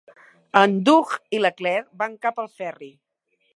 En Doug i la Claire van cap al ferri.